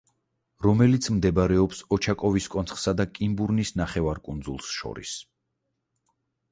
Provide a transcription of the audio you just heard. რომელიც მდებარეობს ოჩაკოვის კონცხსა და კინბურნის ნახევარკუნძულს შორის.